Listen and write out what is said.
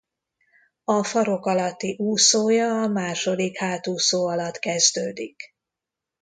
A farok alatti úszója a második hátúszó alatt kezdődik.